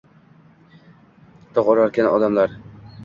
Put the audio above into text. Tig’ urarkan odamlar.